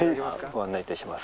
ご案内いたします。